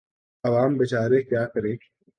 عوام بیچارے کیا کریں۔